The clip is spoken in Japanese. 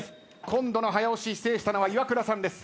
今度の早押し制したのはイワクラさんです。